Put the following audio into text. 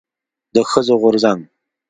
د ښځو د غورځنګ